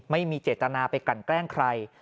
ไม่มีเจตนาไปกันแกล้งใคร